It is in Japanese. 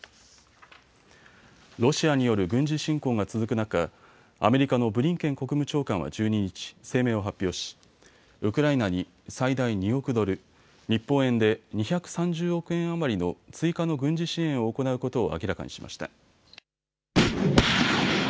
ロシアによる軍事侵攻が続く中、アメリカのブリンケン国務長官は１２日、声明を発表しウクライナに最大２億ドル、日本円で２３０億円余りの追加の軍事支援を行うことを明らかにしました。